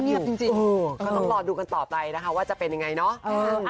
จริงก็ต้องรอดูกันต่อไปนะคะว่าจะเป็นยังไงเนาะ